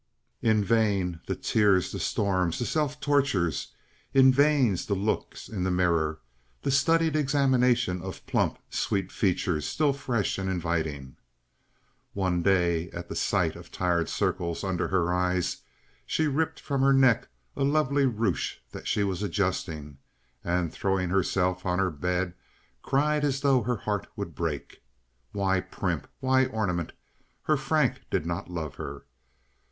In vain the tears, the storms, the self tortures; in vain the looks in the mirror, the studied examination of plump, sweet features still fresh and inviting. One day, at the sight of tired circles under her eyes, she ripped from her neck a lovely ruche that she was adjusting and, throwing herself on her bed, cried as though her heart would break. Why primp? Why ornament? Her Frank did not love her.